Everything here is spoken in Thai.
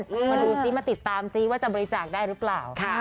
มาดูซิมาติดตามซิว่าจะบริจาคได้หรือเปล่า